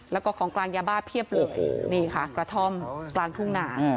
แล้วก็ของกลางยาบ้าเพียบเลยนี่ค่ะกระท่อมกลางทุ่งหนา